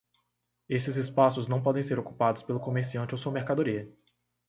Esses espaços não podem ser ocupados pelo comerciante ou sua mercadoria.